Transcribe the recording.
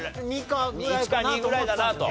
１か２ぐらいだなと。